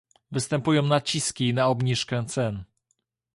Występują naciski na obniżkę cen